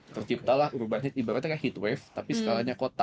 terciptalah urban ibaratnya kayak heat wave tapi skalanya kota